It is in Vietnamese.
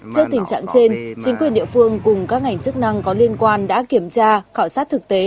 trước tình trạng trên chính quyền địa phương cùng các ngành chức năng có liên quan đã kiểm tra khảo sát thực tế